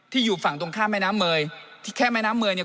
อยู่ฝั่งตรงข้ามแม่น้ำเมยที่แค่แม่น้ำเมยเนี่ย